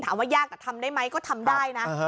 ว่ายากแต่ทำได้ไหมก็ทำได้นะ